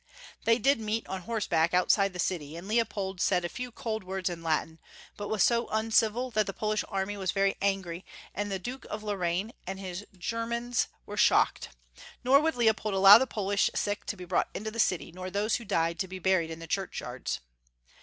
They did meet on horseback outside the city, and Leopold said a few cold words in Latin, but was so uncivil that the Polish army was very angry, and the Duke of Lorraine and his Germans 364 Young Folks'^ History of Germany. were shocked — nor would Leopold allow the Polish sick to be brought into the city, nor those who died to be buried in the churchyards.